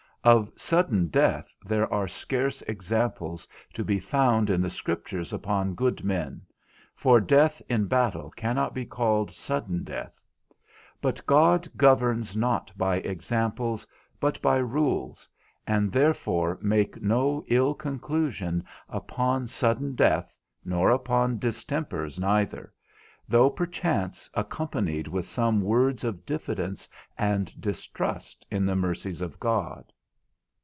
Of sudden death there are scarce examples be found in the Scriptures upon good men, for death in battle cannot be called sudden death; but God governs not by examples but by rules, and therefore make no ill conclusion upon sudden death nor upon distempers neither, though perchance accompanied with some words of diffidence and distrust in the mercies of God.